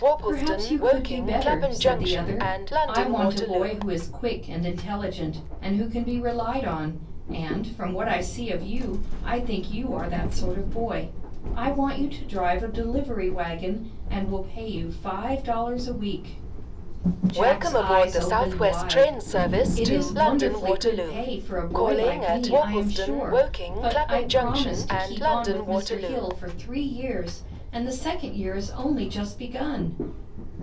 "Perhaps you could do better," said the other. "I want a boy who is quick and intelligent, and who can be relied on; and, from what I see of you, I think you are that sort of boy. I want you to drive a delivery wagon, and will pay you five dollars a week." Jack's eyes opened wide. "It is wonderfully good pay for a boy like me, I am sure. But I promised to keep on with Mr. Hill for three years, and the second year is only just begun."